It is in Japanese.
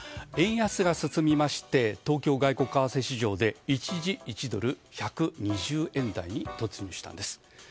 円安が進みまして東京外国為替市場で一時１ドル＝１２０円台に突入したんです。